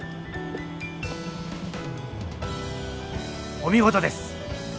お見事です。